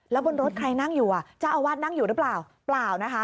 แล้วบนรถใครนั่งอยู่อ่ะเจ้าอาวาสนั่งอยู่หรือเปล่า